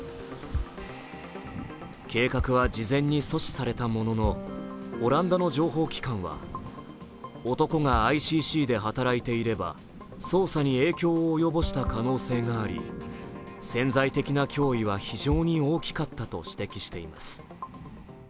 計画は事前に阻止されたもののオランダの情報機関は男がＩＣＣで働いていれば捜査に影響を及ぼした可能性があり、潜在的な脅威は非常に大きかったと指摘しています。